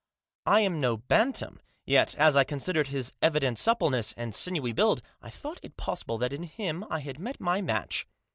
I am no bantam ; yet as I considered his evident suppleness, and sinewy build, I thought it possible that in him I had met my match.